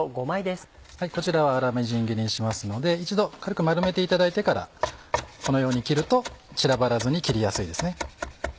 こちらは粗みじん切りにしますので一度軽く丸めていただいてからこのように切ると散らばらずに切りやすいです。